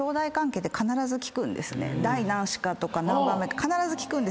第何子かとか何番目か必ず聞くんです。